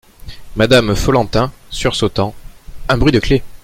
Madame Follentin, sursautant. — Un bruit de clef.